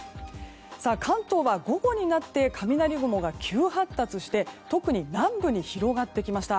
関東は午後になって雷雲が急発達して特に南部に広がってきました。